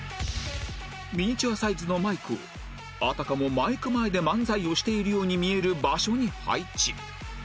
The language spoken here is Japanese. ミニチュアサイズのマイクをあたかもマイク前で漫才をしているように見える場所に配置